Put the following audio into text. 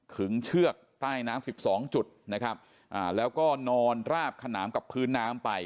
ึงเชือกใต้น้ำ๑๒จุดนะครับอ่าแล้วก็นอนราบขนามกับพื้นน้ำไป